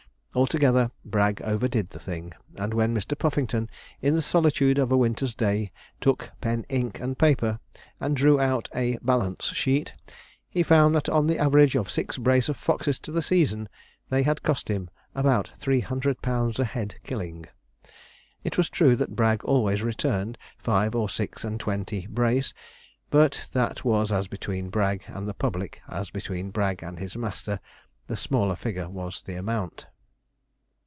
Altogether, Bragg overdid the thing; and when Mr. Puffington, in the solitude of a winter's day, took pen, ink, and paper, and drew out a 'balance sheet,' he found that on the average of six brace of foxes to the season, they had cost him about three hundred pounds a head killing. It was true that Bragg always returned five or six and twenty brace; but that was as between Bragg and the public, as between Bragg and his master the smaller figure was the amount.